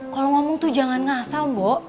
kalau ngomong tuh jangan ngasal mbok